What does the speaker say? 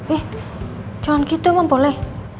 eh jangan gitu emang boleh